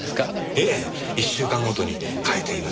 いえ１週間ごとに変えています。